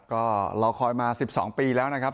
ก็รอคอยมา๑๒ปีแล้วนะครับ